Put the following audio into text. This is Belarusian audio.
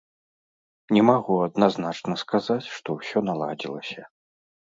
Не магу адназначна сказаць, што ўсё наладзілася.